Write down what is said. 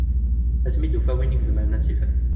Asmi i d-tufa win i izemren ad tt-ifhem.